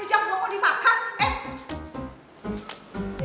rujak buah kok dimakan eh